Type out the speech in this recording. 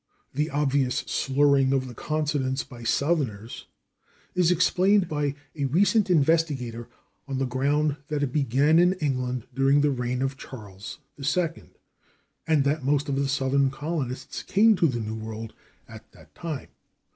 The obvious slurring of the consonants by Southerners is explained by a recent investigator on the ground that it began in England during the reign of Charles II, and that most of the Southern colonists came to the New World at that time.